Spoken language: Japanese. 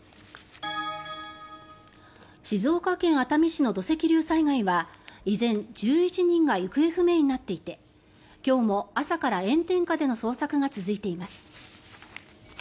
静岡県熱海市の土石流災害は依然、１１人が行方不明になっていて今日も朝から炎天下での捜索が続いています。